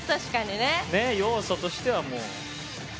要素としては、もう。